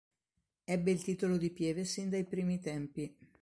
Ebbe il titolo di pieve sin dai primi tempi.